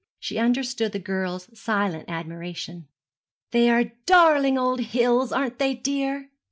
She understood the girl's silent admiration. 'They are darling old hills, aren't they, dear?'